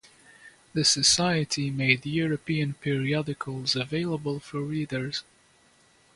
The society made European periodicals available for readers.